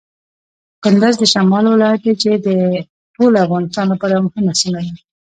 کندز د شمال ولایت دی چې د ټول افغانستان لپاره یوه مهمه سیمه ده.